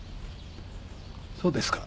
そうですか。